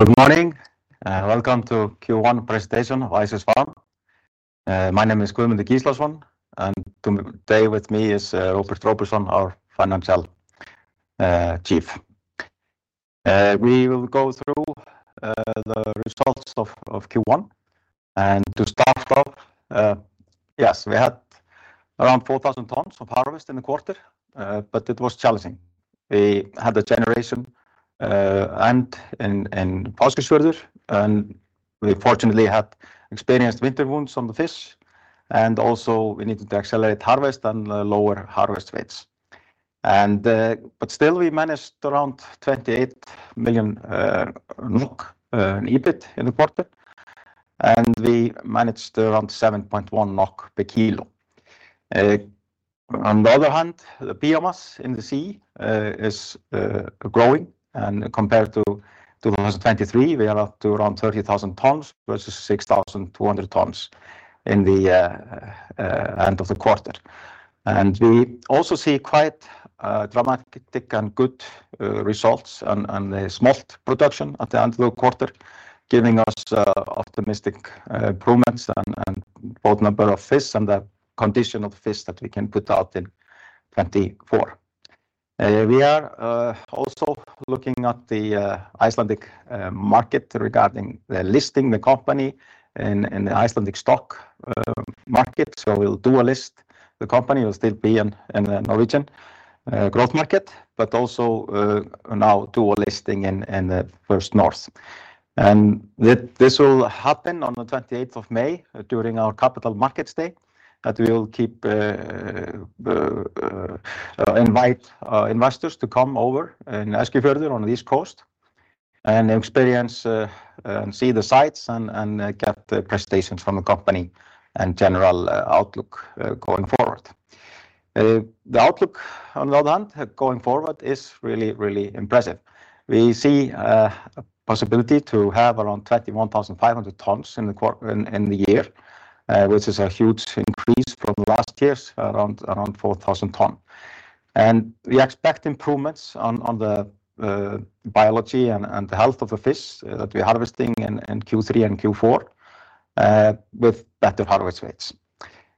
Good morning, and welcome to Q1 presentation of Icefish Farm. My name is Guðmundur Gíslason, and today with me is Róbert Róbertsson, our financial chief. We will go through the results of Q1. To start off, yes, we had around 4,000 tons of harvest in the quarter, but it was challenging. We had a generation and in Fáskrúðsfjörður, and we fortunately had experienced winter wounds on the fish, and also we needed to accelerate harvest and lower harvest rates. But still, we managed around 28 million in EBIT in the quarter, and we managed around 7.1 NOK per kilo. On the other hand, the biomass in the sea is growing, and compared to 2023, we are up to around 30,000 tons versus 6,200 tons in the end of the quarter. And we also see quite dramatic and good results on the smolt production at the end of the quarter, giving us optimistic improvements on both number of fish and the condition of the fish that we can put out in 2024. We are also looking at the Icelandic market regarding the listing the company in the Icelandic stock market. So we'll do a list. The company will still be in the Norwegian growth market, but also now do a listing in the First North. This will happen on the twenty-eighth of May during our Capital Markets Day, that we will keep, invite our investors to come over in Eskifjörður on the East Coast and experience, and see the sights and, and get the presentations from the company and general, outlook, going forward. The outlook on the other hand, going forward is really, really impressive. We see, a possibility to have around 21,500 tons in the year, which is a huge increase from last year's around 4,000 tons. We expect improvements on, on the, biology and, and the health of the fish that we're harvesting in, in Q3 and Q4, with better harvest rates.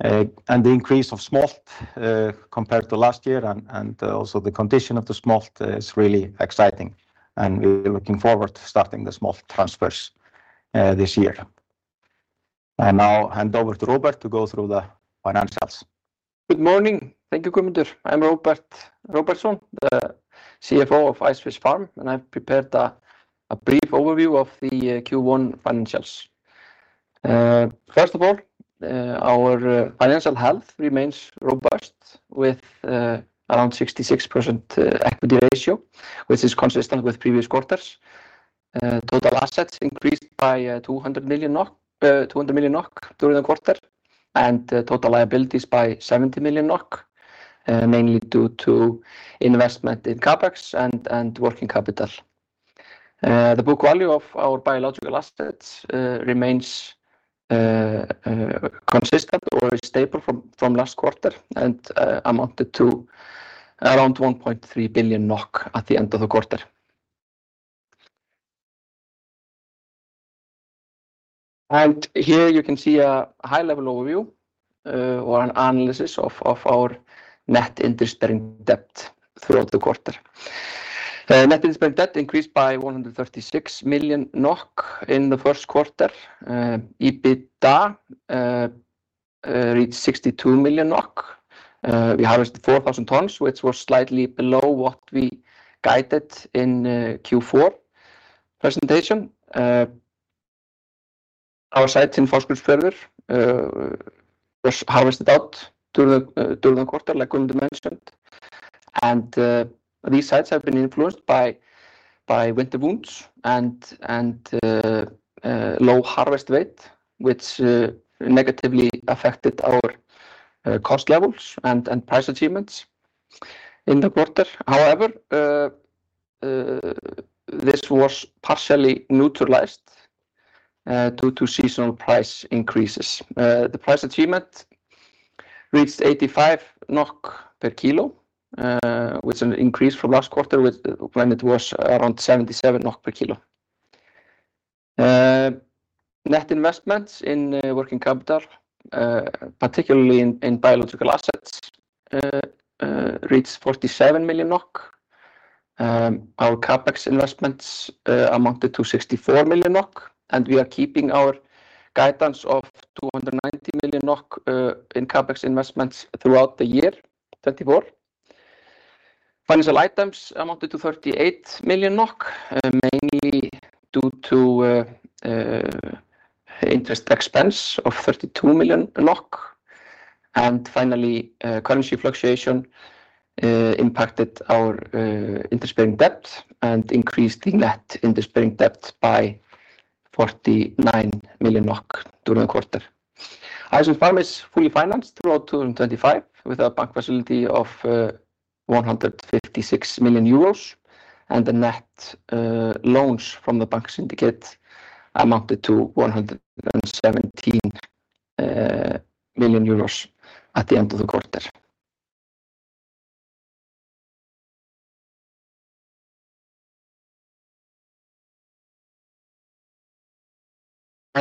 The increase of smolt compared to last year and also the condition of the smolt is really exciting, and we're looking forward to starting the smolt transfers this year. I now hand over to Róbert to go through the financials. Good morning. Thank you, Guðmundur. I'm Róbert Róbertsson, the CFO of Kaldvik, and I've prepared a brief overview of the Q1 financials. First of all, our financial health remains robust, with around 66% equity ratio, which is consistent with previous quarters. Total assets increased by 200 million NOK, 200 million NOK during the quarter, and total liabilities by 70 million NOK, mainly due to investment in CapEx and working capital. The book value of our biological assets remains consistent or stable from last quarter and amounted to around 1.3 billion NOK at the end of the quarter. And here you can see a high-level overview or an analysis of our net interest-bearing debt throughout the quarter. Net interest-bearing debt increased by 136 million NOK in the first quarter. EBITDA reached 62 million NOK. We harvested 4,000 tons, which was slightly below what we guided in Q4 presentation. Our site in Fáskrúðsfjörður was harvested out during the quarter, like Guðmundur mentioned. And, these sites have been influenced by winter wounds and low harvest weight, which negatively affected our cost levels and price achievements in the quarter. However, this was partially neutralized due to seasonal price increases. The price achievement reached 85 NOK per kilo, which is an increase from last quarter, which when it was around 77 NOK per kilo. Net investments in working capital, particularly in biological assets, reached 47 million NOK. Our CapEx investments amounted to 64 million NOK, and we are keeping our guidance of 290 million NOK in CapEx investments throughout the year 2024. Financial items amounted to 38 million NOK, mainly due to interest expense of 32 million. Finally, currency fluctuation impacted our interest-bearing debt and increased the net interest-bearing debt by 49 million NOK during the quarter. Icefish Farm is fully financed throughout 2025, with a bank facility of 156 million euros, and the net loans from the bank syndicate amounted to 117 million euros at the end of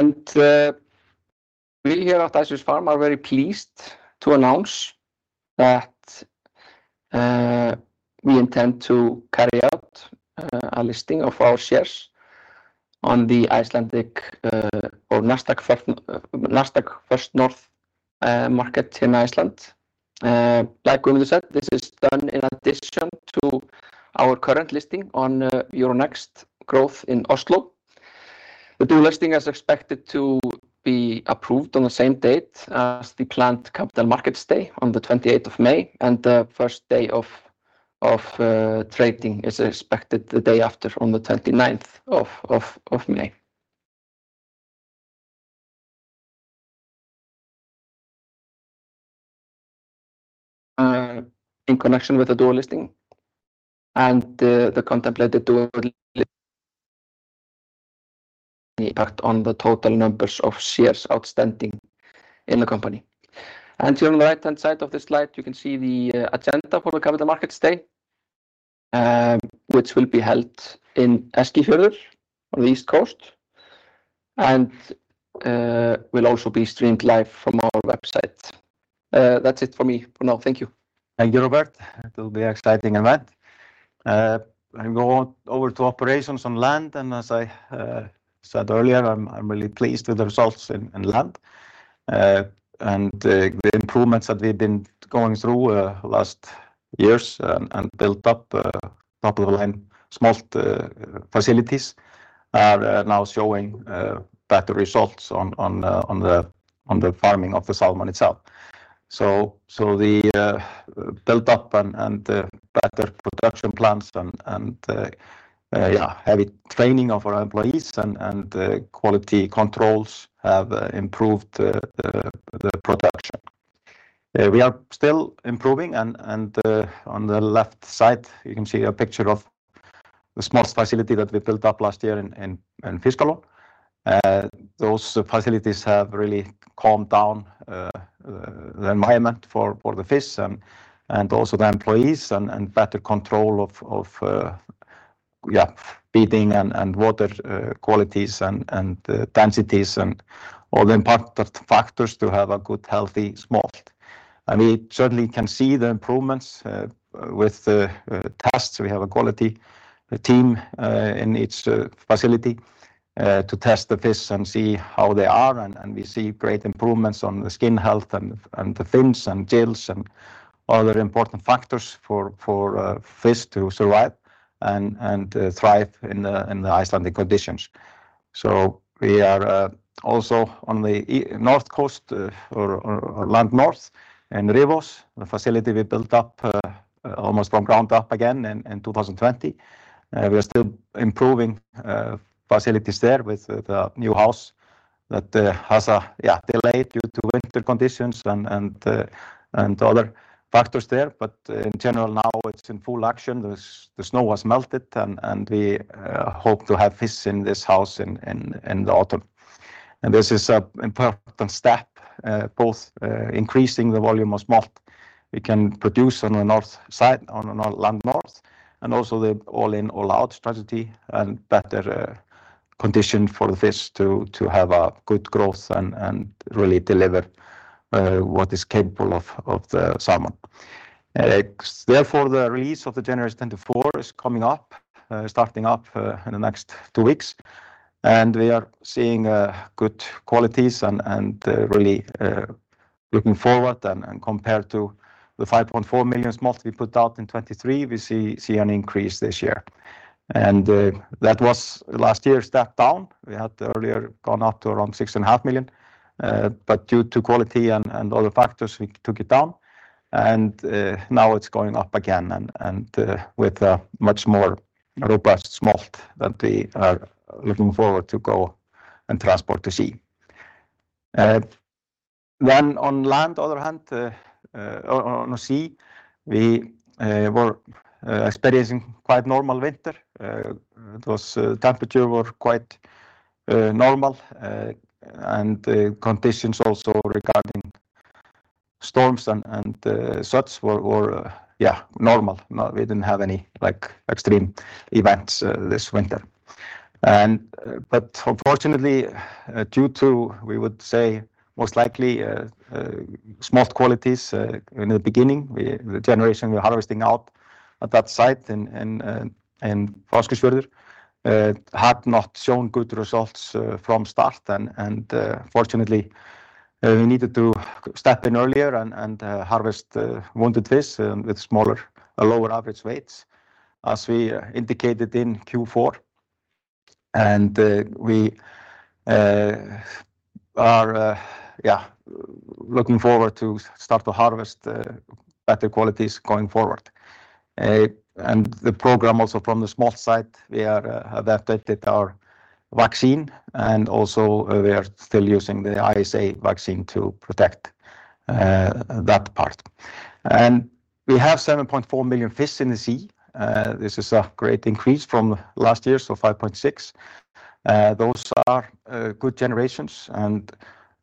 the quarter. We here at Icefish Farm are very pleased to announce that we intend to carry out a listing of our shares on the Icelandic or Nasdaq First North market in Iceland. Like Guðmundur said, this is done in addition to our current listing on Euronext Growth in Oslo. The dual listing is expected to be approved on the same date as the planned Capital Markets Day on the 28th of May, and the first day of trading is expected the day after, on the 29th of May. In connection with the dual listing and the contemplated dual listing impact on the total numbers of shares outstanding in the company. Here on the right-hand side of the slide, you can see the agenda for the Capital Markets Day, which will be held in Eskifjörður on the East Coast, and will also be streamed live from our website. That's it for me for now. Thank you. Thank you, Róbert. It will be an exciting event. I'm going over to operations on land, and as I said earlier, I'm really pleased with the results in land. And the improvements that we've been going through last years and built up top-of-the-line smolt facilities are now showing better results on the farming of the salmon itself. So the built up and better production plans and yeah, heavy training of our employees and quality controls have improved the production. We are still improving and on the left side, you can see a picture of the smolt facility that we built up last year in Fiskalón. Those facilities have really calmed down the environment for the fish and also the employees and better control of feeding and water qualities and densities and all the important factors to have a good, healthy smolt. We certainly can see the improvements with the tests. We have a quality team in each facility to test the fish and see how they are, and we see great improvements on the skin health and the fins and gills and other important factors for fish to survive and thrive in the Icelandic conditions. So we are also on the East Coast, or Land North in Reyðarfjörður, the facility we built up almost from ground up again in 2020. We are still improving facilities there with the new house that has a delay due to winter conditions and other factors there. But in general, now it's in full action. The snow has melted and we hope to have fish in this house in the autumn. And this is an important step, both increasing the volume of smolt we can produce on the north side, on the Land North, and also the all-in, all-out strategy and better condition for the fish to have a good growth and really deliver what is capable of the salmon. Therefore, the release of Generation 24 is coming up, starting up in the next two weeks, and we are seeing good qualities and really looking forward and compared to the 5.4 million smolt we put out in 2023, we see an increase this year. And that was last year's step down. We had earlier gone up to around 6.5 million, but due to quality and other factors, we took it down, and now it's going up again and with a much more robust smolt that we are looking forward to go and transport to sea. Then on the other hand, on the sea, we were experiencing quite normal winter. It was... Temperature were quite normal, and the conditions also regarding storms and such were normal. No, we didn't have any, like, extreme events this winter. But unfortunately, due to, we would say, most likely, smolt qualities in the beginning, the generation we were harvesting out at that site in Fáskrúðsfjörður had not shown good results from start. And fortunately, we needed to step in earlier and harvest wounded fish with smaller lower average weights, as we indicated in Q4. And we are, yeah, looking forward to start to harvest better qualities going forward. And the program also from the smolt side, we are adapted our vaccine, and also we are still using the ISA vaccine to protect that part. And we have 7.4 million fish in the sea. This is a great increase from last year, so 5.6. Those are good generations, and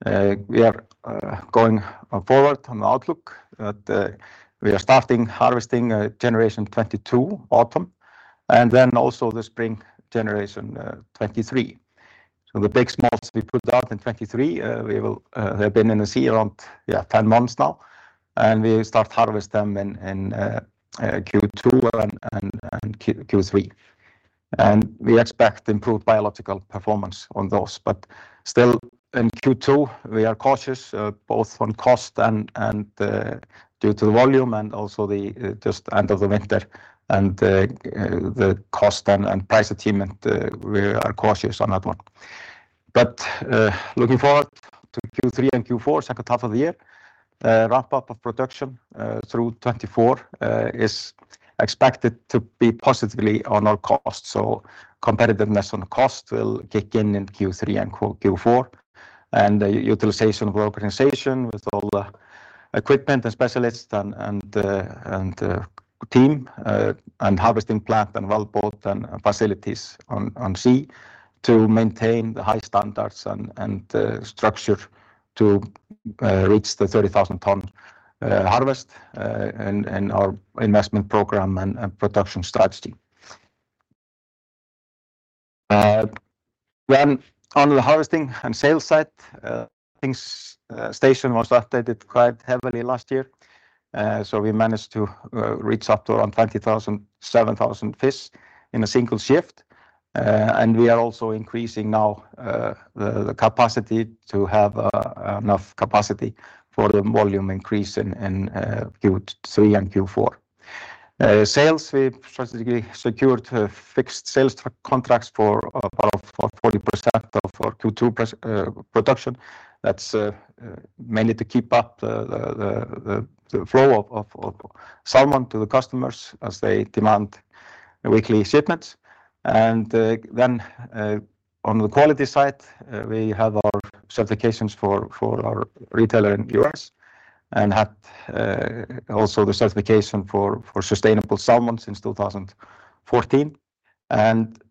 we are going forward on the outlook that we are starting harvesting generation 22 autumn, and then also the spring generation 23. So the big smolts we put out in 2023, we will, they've been in the sea around, yeah, 10 months now, and we start harvest them in Q2 and Q3. And we expect improved biological performance on those. But still, in Q2, we are cautious both on cost and due to the volume and also the just end of the winter and the cost and price attainment. We are cautious on that one. But looking forward to Q3 and Q4, second half of the year, wrap up of production through 2024 is expected to be positively on our cost. So competitiveness on cost will kick in in Q3 and Q4, and the utilization of our organization with all the equipment and specialists and team and harvesting plant and well boat and facilities on sea to maintain the high standards and structure to reach the 30,000-ton harvest and our investment program and production strategy. Then on the harvesting and sales side, the station was updated quite heavily last year. So we managed to reach up to around 27,000 fish in a single shift. And we are also increasing now the capacity to have enough capacity for the volume increase in Q3 and Q4. Sales, we strategically secured fixed sales contracts for about 40% of our Q2 production. That's mainly to keep up the flow of salmon to the customers as they demand weekly shipments. Then on the quality side, we have our certifications for our retailer in the U.S. and had also the certification for sustainable salmon since 2014.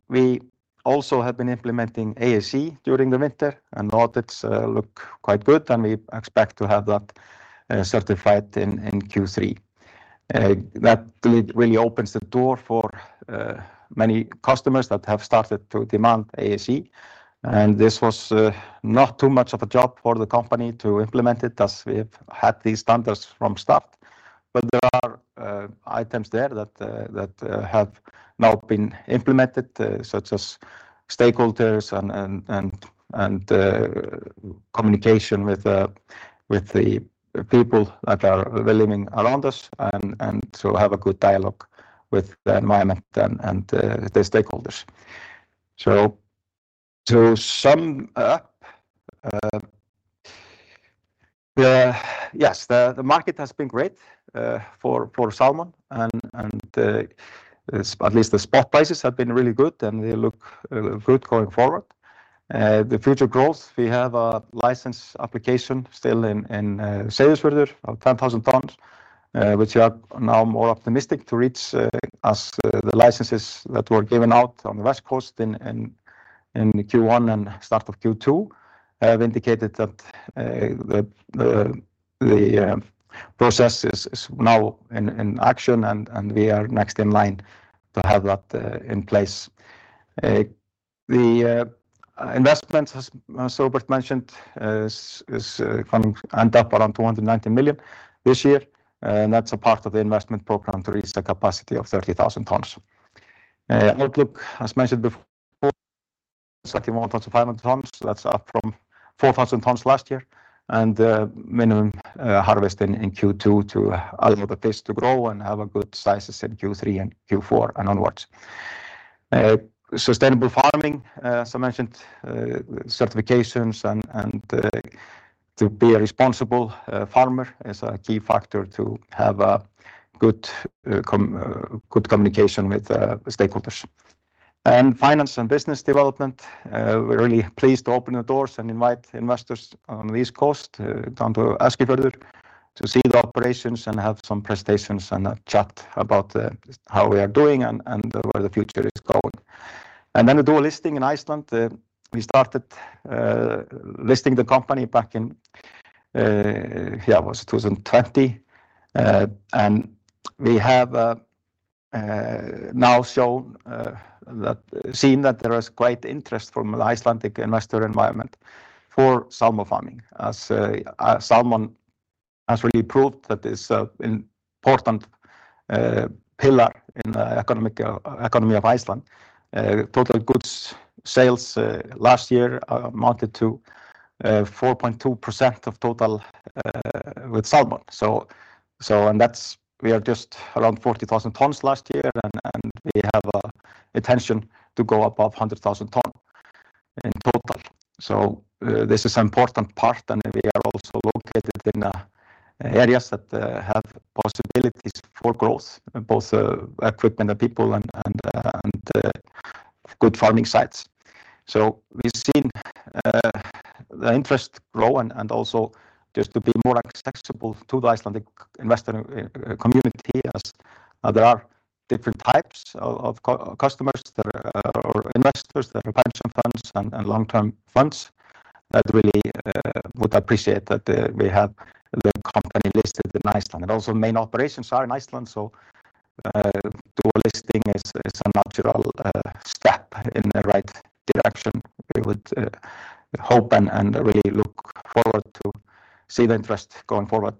We also have been implementing ASC during the winter, and the audits look quite good, and we expect to have that certified in Q3. That really opens the door for many customers that have started to demand ASC, and this was not too much of a job for the company to implement it, as we've had these standards from start. But there are items there that have now been implemented, such as stakeholders and communication with the people that are living around us and to have a good dialogue with the environment and the stakeholders. So to sum up, yes, the market has been great for salmon and at least the spot prices have been really good, and they look good going forward. The future growth, we have a license application still in Seyðisfjörður of 10,000 tons, which are now more optimistic to reach, as the licenses that were given out on the West Coast in Q1 and start of Q2 have indicated that the process is now in action, and we are next in line to have that in place. The investment, as Róbert mentioned, is end up around 290 million this year, and that's a part of the investment program to reach the capacity of 30,000 tons. Outlook, as mentioned before, 31,000 tons, that's up from 4,000 tons last year, and minimum harvest in Q2 to allow the fish to grow and have good sizes in Q3 and Q4 and onwards. Sustainable farming, as I mentioned, certifications and to be a responsible farmer is a key factor to have good communication with the stakeholders. Finance and business development, we're really pleased to open the doors and invite investors on the East Coast down to Eskifjörður, to see the operations and have some presentations and a chat about how we are doing and where the future is going. Then the dual listing in Iceland, we started listing the company back in, yeah, it was 2020. And we have now seen that there is quite interest from the Icelandic investor environment for salmon farming. As salmon has really proved that it's an important pillar in the economy of Iceland. Total goods sales last year amounted to 4.2% of total with salmon. So and that's... We are just around 40,000 tons last year, and we have an intention to go above 100,000 tons in total. So this is important part, and we are also located in areas that have possibilities for growth, both equipment and people and good farming sites. So we've seen... The interest grow and also just to be more accessible to the Icelandic investor community as there are different types of customers that are or investors, there are pension funds and long-term funds that really would appreciate that we have the company listed in Iceland. And also main operations are in Iceland, so dual listing is a natural step in the right direction. We would hope and really look forward to see the interest going forward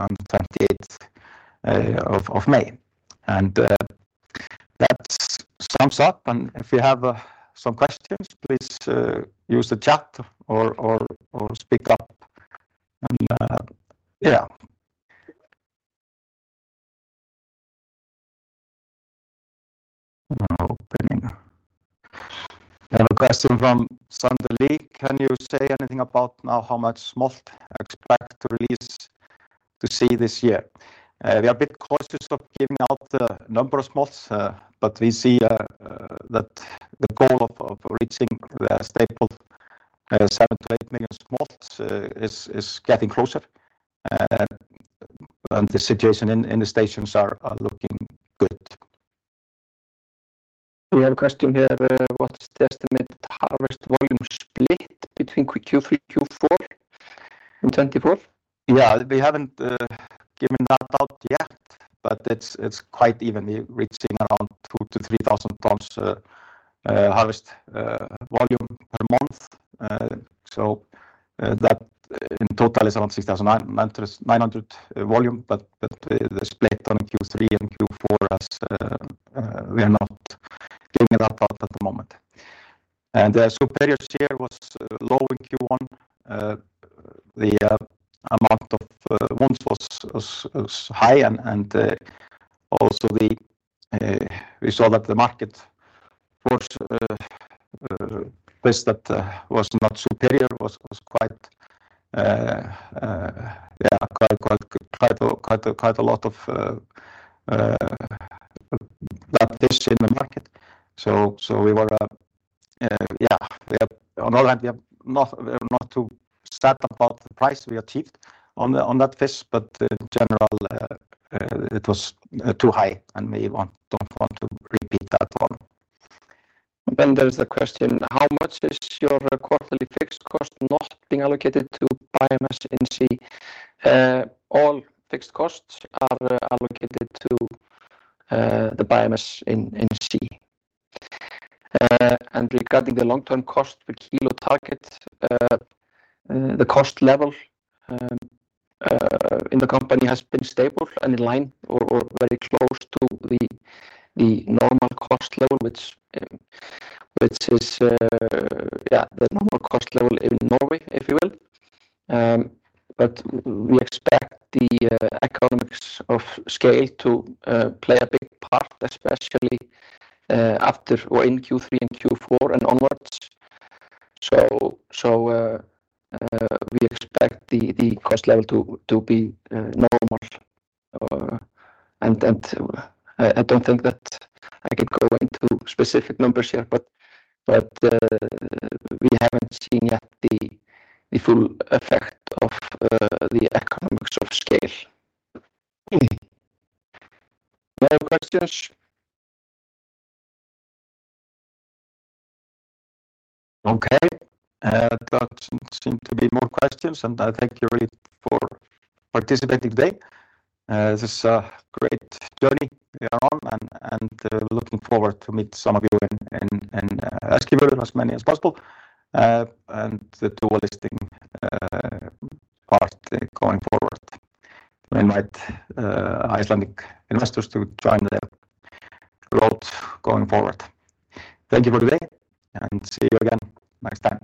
on the 28th of May. And that sums up, and if you have some questions, please use the chat or speak up. And yeah. I have an opening. I have a question from Sander Lie: Can you say anything about now how much smolt expect to release to sea this year? We are a bit cautious of giving out the number of smolts, but we see that the goal of reaching the stable seven to eight million smolts is getting closer. And the situation in the stations are looking good. We have a question here. What's the estimate harvest volume split between Q3, Q4 in 2024? Yeah, we haven't given that out yet, but it's quite evenly reaching around 2,000-3,000 tons harvest volume per month. So, that in total is around 6,900 volume, but the split on Q3 and Q4 we are not giving that out at the moment. Superior share was low in Q1. The amount of wounds was high and also we saw that the market for fish that was not superior was quite, yeah, quite a lot of that fish in the market. So we were, yeah, we have on hand, we're not too sad about the price we achieved on that fish, but in general, it was too high, and we don't want to repeat that one. There is the question: How much is your quarterly fixed cost not being allocated to biomass in sea? All fixed costs are allocated to the biomass in sea. And regarding the long-term cost per kilo target, the cost level in the company has been stable and in line or very close to the normal cost level, which is yeah, the normal cost level in Norway, if you will. But we expect the economics of scale to play a big part, especially after or in Q3 and Q4 and onwards. So we expect the cost level to be normal. And I don't think that I can go into specific numbers here, but we haven't seen yet the full effect of the economics of scale. Any more questions? Okay. That seem to be more questions, and I thank you all for participating today. This is a great journey we are on, and, and looking forward to meet some of you in, in, in Eskifjörður, as many as possible, and the dual listing, part going forward. We invite Icelandic investors to join the road going forward. Thank you for today, and see you again next time.